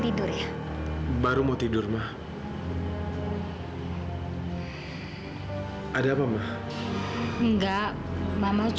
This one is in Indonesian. saya cuma ingin mengingatkan